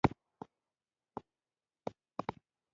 او موږ اړتیا نلرو چې مڼې او کیلې بدلې کړو